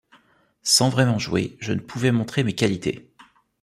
Sans vraiment jouer, je ne pouvais montrer mes qualités.